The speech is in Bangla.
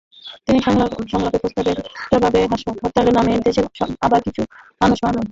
তিনি সংলাপের প্রস্তাবের জবাবে হরতালের নামে দেশে আবার কিছু মানুষ মারলেন।